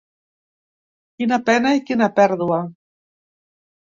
Quina pena, i quina pèrdua!